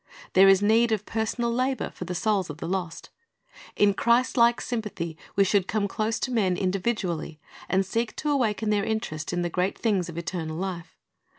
There is need of personal labor for the souls of the lost. In Christ like sympathy we should come close to men in dividually, and seek to awaken their interest in the great things of eternal life.